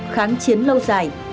kháng chiến lâu dài